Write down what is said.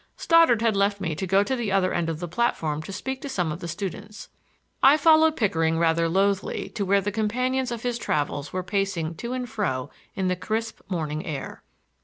Stoddard had left me to go to the other end of the platform to speak to some of the students. I followed Pickering rather loathly to where the companions of his travels were pacing to and fro in the crisp morning air.